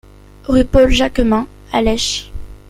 Rue Paul Jacquemin à Lesches